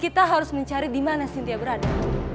kita harus mencari dimana sintia berada